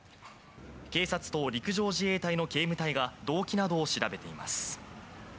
警察と陸上自衛隊の警務隊が動機などを調べています。